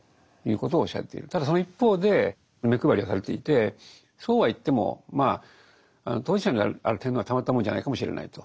ただその一方で目配りはされていてそうはいってもまあ当事者である天皇はたまったものじゃないかもしれないと。